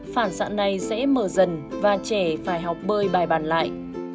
phản xạ này sẽ mở dần và trẻ phải học bơi bài bàn lại